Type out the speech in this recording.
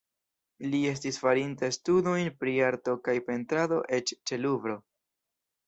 Li estis farinta studojn pri arto kaj pentrado eĉ ĉe Luvro.